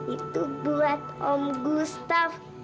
itu buat om gustaf